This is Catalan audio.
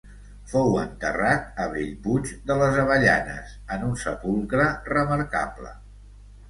Fou enterrat a Bellpuig de les Avellanes, en un sepulcre remarcable.